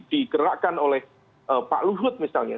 digerakkan oleh pak luhut misalnya